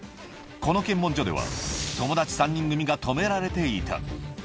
この検問所では友達３人組が止められていた。